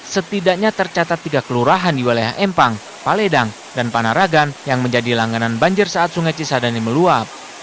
setidaknya tercatat tiga kelurahan di wilayah empang paledang dan panaragan yang menjadi langganan banjir saat sungai cisadane meluap